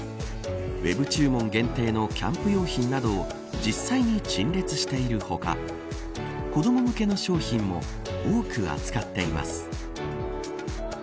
ウェブ注文限定のキャンプ用品などを実際に陳列している他子ども向けの商品も多く扱っています。